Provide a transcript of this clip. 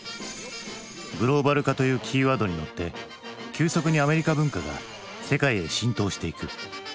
グローバル化というキーワードに乗って急速にアメリカ文化が世界へ浸透していく。